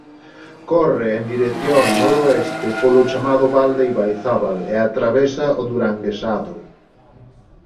Corre en dirección noroeste polo chamado Val do Ibaizabal e atravesa o Duranguesado.